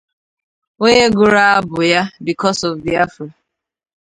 onye gụrụ abụ ya "Because of Biafra"